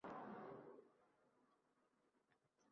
Mayor mo‘ylovchasini silab. Masxaraomuz kuldi.